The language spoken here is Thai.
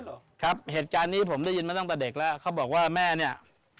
หรอครับเหตุการณ์นี้ผมได้ยินมาตั้งแต่เด็กแล้วเขาบอกว่าแม่เนี่ย